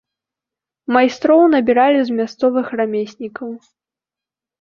Майстроў набіралі з мясцовых рамеснікаў.